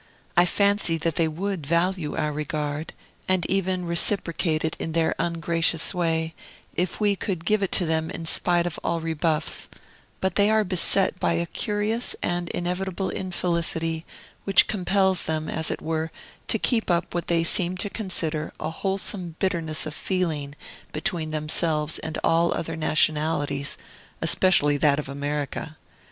I fancy that they would value our regard, and even reciprocate it in their ungracious way, if we could give it to them in spite of all rebuffs; but they are beset by a curious and inevitable infelicity, which compels them, as it were, to keep up what they seem to consider a wholesome bitterness of feeling between themselves and all other nationalities, especially that of America.